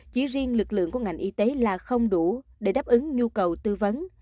chỉ riêng lực lượng của ngành y tế là không đủ để đáp ứng nhu cầu tư vấn